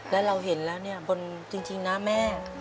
และเราเห็นแล้วเนี่ยบนจริงนะแม่